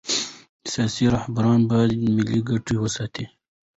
سیاسي رهبران باید ملي ګټې وساتي